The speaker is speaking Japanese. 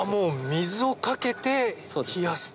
水をかけて冷やすと。